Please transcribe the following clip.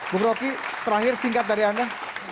bu broki terakhir singkat dari anda